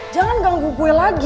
jangan ganggu gue lagi